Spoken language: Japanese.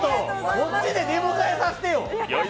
こっちでお迎えさせてよ！！